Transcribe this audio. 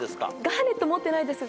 ガーネット持ってないです。